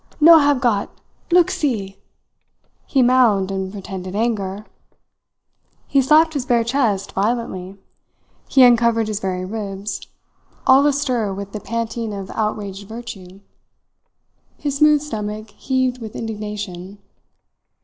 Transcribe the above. "No hab got. Look see!" he mouthed in pretended anger. He slapped his bare chest violently; he uncovered his very ribs, all astir with the panting of outraged virtue; his smooth stomach heaved with indignation.